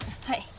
はい。